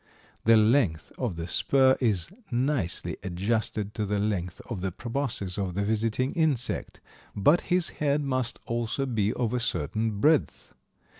The length of the spur is nicely adjusted to the length of the proboscis of the visiting insect, but his head must also be of a certain breadth.